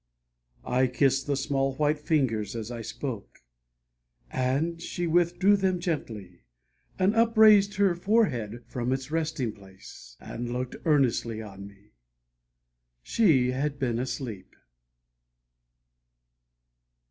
I kissed the small white fingers as I spoke, And she withdrew them gently, and upraised Her forehead from its resting place, and looked Earnestly on me She had been asleep!